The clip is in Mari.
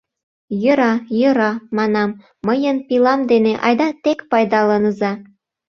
— Йӧра, йӧра, — манам, — мыйын пилам дене, айда, тек пайдаланыза!